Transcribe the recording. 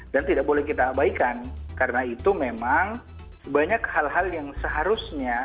dan tidak boleh kita abaikan karena itu memang banyak hal hal yang seharusnya